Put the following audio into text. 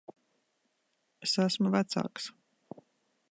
Es esmu vecāks.